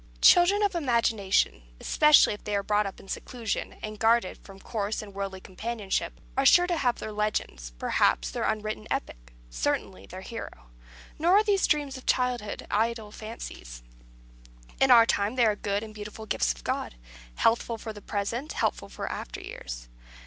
Children of imagination especially if they are brought up in seclusion, and guarded from coarse and worldly companionship are sure to have their legends, perhaps their unwritten epic, certainly their hero. Nor are these dreams of childhood idle fancies. In their time they are good and beautiful gifts of God healthful for the present, helpful for after years.